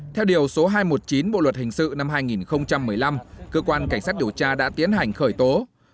theo điều số hai trăm một mươi chín bộ luật hình sự năm hai nghìn một mươi năm cơ quan cảnh sát điều tra đã tiến hành khởi tố